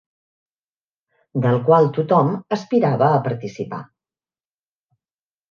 Del qual tothom aspirava a participar.